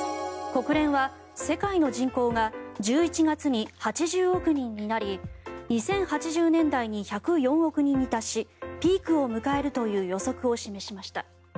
国連は世界の人口が１１月に８０億人になり２０８０年代に１０４億人に達しピークを迎えるという予測を示しました。